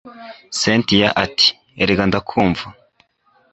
cyntia nawe ati erega ndakumva